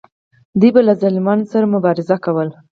دوی به له ظالمانو سره مبارزه کوله.